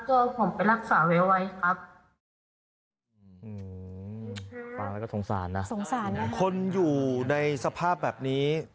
สงสารนะสงสารนะคนอยู่ในสภาพแบบนี้